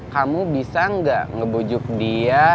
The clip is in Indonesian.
kamu bisa nggak ngebujuk dia